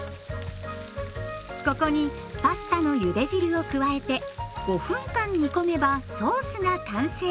ここにパスタのゆで汁を加えて５分間煮込めばソースが完成。